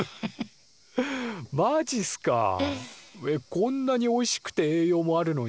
こんなにおいしくて栄養もあるのに？